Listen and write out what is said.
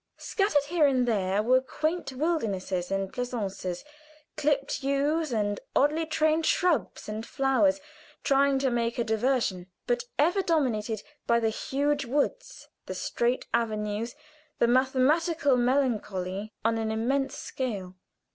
Scattered here and there were quaint wildernesses and pleasaunces clipped yews and oddly trained shrubs and flowers trying to make a diversion, but ever dominated by the huge woods, the straight avenues, the mathematical melancholy on an immense scale.